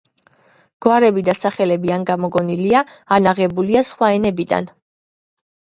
გვარები ან სახელები ან გამოგონილია, ან აღებულია სხვა ენებიდან.